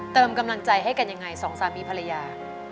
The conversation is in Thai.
เติมกำลังใจให้กันยังไงสองสามีภรรยา